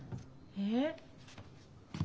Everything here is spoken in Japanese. えっ？